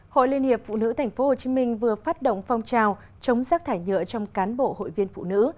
hội liên hiệp phụ nữ tp hcm vừa phát động phong trào chống rác thải nhựa trong cán bộ hội viên phụ nữ